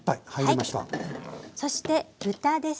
そして豚です。